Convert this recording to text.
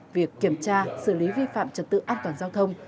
việc kiểm tra xử lý vi phạm trật tự an toàn giao thông